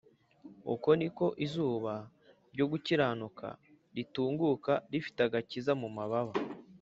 uko niko izuba ryo gukiranuka ritunguka, “rifite gukiza mu mababa